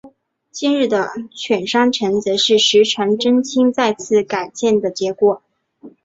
今日的犬山城则是石川贞清再次改建的结果。